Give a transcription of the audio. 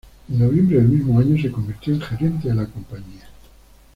En noviembre del mismo año se convirtió en gerente de la compañía.